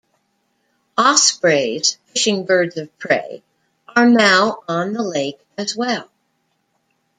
Ospreys, fishing birds of prey, are now on the lake as well.